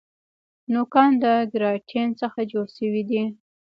نوکان د کیراټین څخه جوړ شوي دي